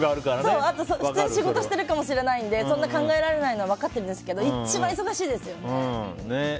あと、普通に仕事してるかもしれないのでそんなに考えられないのは分かってるんですけど千秋さん、いかがですか？